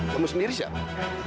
kamu sendiri siapa